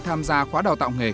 tham gia khóa đào tạo nghề